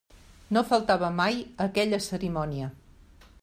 No faltava mai a aquella cerimònia.